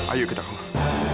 ayo kita keluar